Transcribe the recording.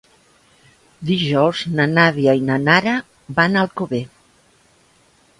Dijous na Nàdia i na Nara van a Alcover.